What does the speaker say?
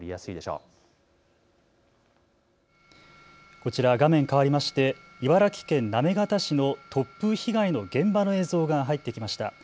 こちら画面変わりまして茨城県行方市の突風被害の現場の映像が入ってきました。